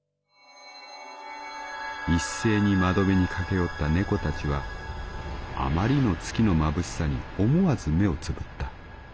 「いっせいに窓辺に駆け寄った猫たちはあまりの月のまぶしさに思わず目をつぶった。